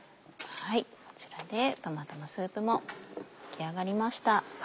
こちらでトマトのスープも出来上がりました。